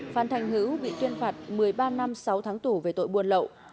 phan thành hữu bị tuyên phạt một mươi ba năm sáu tháng tù về tội buôn lậu